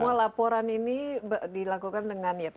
semua laporan ini dilakukan dengan berbasis digital